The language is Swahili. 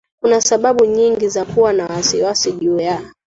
kuna sababu nyingi za kuwa na wasiwasi juu ya